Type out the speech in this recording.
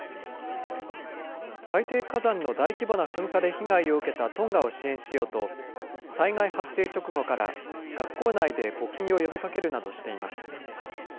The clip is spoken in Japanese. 海底火山の大規模な噴火で被害を受けたトンガを支援しようと、災害発生直後から学校内で募金を呼びかけるなどしています。